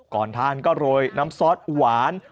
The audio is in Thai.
ทานก็โรยน้ำซอสหวาน